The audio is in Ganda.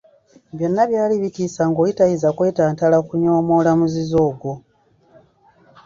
Byonna byali bitiisa ng’oli tayinza kwetantala kunyoomoola muzizo ogwo.